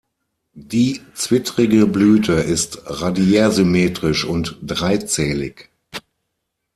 Die zwittrige Blüte ist radiärsymmetrisch und dreizählig.